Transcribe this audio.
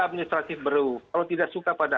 administratif baru kalau tidak suka pada